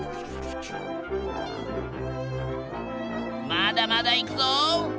まだまだいくぞ！